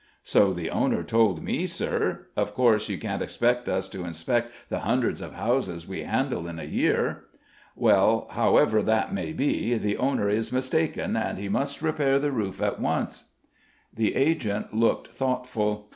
"So the owner told me, sir; of course you can't expect us to inspect the hundreds of houses we handle in a year." "Well, however that may be, the owner is mistaken, and he must repair the roof at once." The agent looked thoughtful.